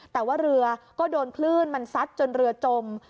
แต่ว่าเรือก็โดนคลื่นมันซัดจนเรือจม